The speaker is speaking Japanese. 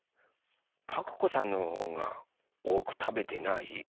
パクこさんのほうがおおくたべてない？